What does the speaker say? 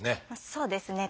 そうですね。